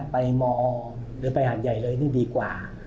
ไปมอหรือไปหาดใหญ่เลยนี่ดีกว่า